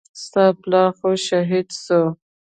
ستا پلار خو شهيد سوى.